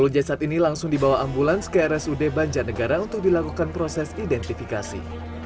sepuluh jasad ini langsung dibawa ambulans ke rsud banjarnegara untuk dilakukan proses identifikasi